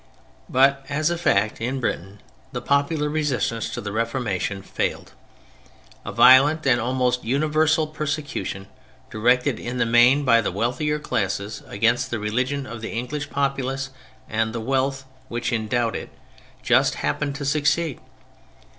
But as a fact in Britain the popular resistance to the Reformation failed. A violent and almost universal persecution directed, in the main by the wealthier classes, against the religion of the English populace and the wealth which endowed it just happened to succeed.